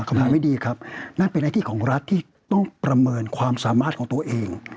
คำถามไม่ดีครับนั่นเป็นหน้าที่ของรัฐที่ต้องประเมินความสามารถของตัวเอง